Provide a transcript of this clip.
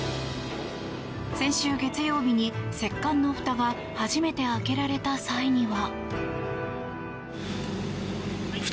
先週月曜日に石棺のふたが初めて開けられた際には。